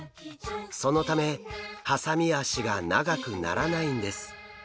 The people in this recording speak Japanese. そのためハサミ脚が長くならないんです。